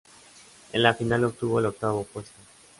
En la final obtuvo el octavo puesto.